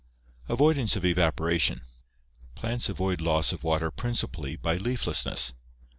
Avoidance of Evaporation. — Plants avoid loss of water princi pally by leaflessness.